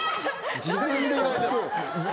自分でやって。